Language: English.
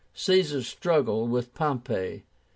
CAESAR'S STRUGGLE WITH POMPEY.